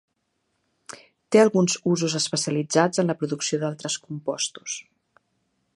Té alguns usos especialitzats en la producció d'altres compostos.